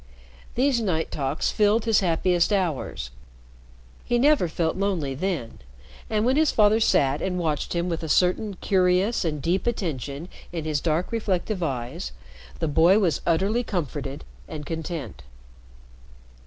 These night talks filled his happiest hours. He never felt lonely then, and when his father sat and watched him with a certain curious and deep attention in his dark, reflective eyes, the boy was utterly comforted and content.